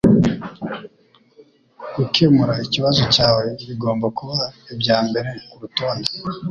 Gukemura ikibazo cyawe bigomba kuba ibya mbere kurutonde